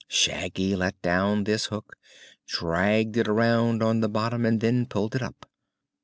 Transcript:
Shaggy let down this hook, dragged it around on the bottom and then pulled it up.